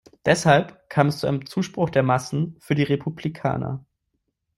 Deshalb kam es zu einem Zuspruch der Massen für die Republikaner.